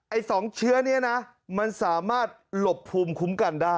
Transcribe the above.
ไอ้๒เชื้อนี้นะมันสามารถหลบภูมิคุ้มกันได้